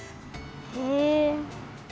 へえ。